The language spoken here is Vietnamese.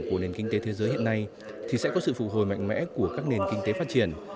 của nền kinh tế thế giới hiện nay thì sẽ có sự phục hồi mạnh mẽ của các nền kinh tế phát triển